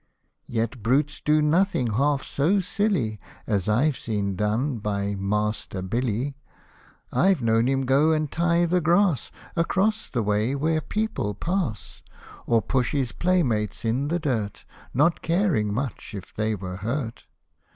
Yet brutes do nothing half so silly As I've seen done by Master Billy ; I've known him go and tie the grass, Across the way where people pass ; Or push his play mates in the dirt, Not caring much if they were hurt.